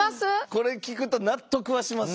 これ聞くと納得はします。